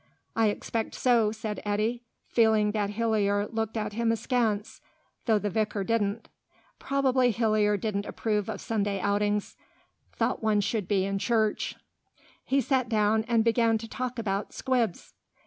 "I expect so," said Eddy, feeling that Hillier looked at him askance, though the vicar didn't. Probably Hillier didn't approve of Sunday outings, thought one should be in church. He sat down and began to talk about "Squibs."